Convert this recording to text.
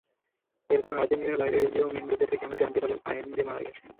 এরপর আর্জেন্টিনার বাইরের রেডিও মেনডোজা থেকে আমরা জানতে পারলাম, আয়েন্দে মারা গেছেন।